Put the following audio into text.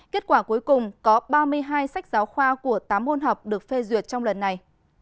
kết quả cuối cùng có ba mươi hai sách giáo khoa của tám môn học được phê duyệt trong lần này